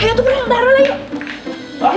ayo tuh mulai darulah yuk